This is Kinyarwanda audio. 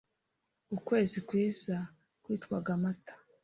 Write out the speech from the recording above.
Ukwezi kwiza kwitwaga Mata